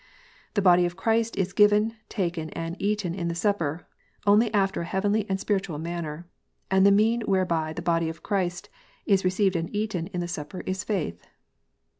"The Body of Christ is given, taken, and eaten, in the Supper, only after an heavenly and spiritual manner. And the mean whereby the Body of Christ is received and eaten in the Supper is Faith.